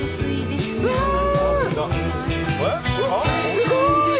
すごい！